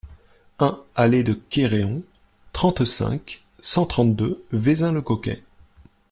un allée de Kéréon, trente-cinq, cent trente-deux, Vezin-le-Coquet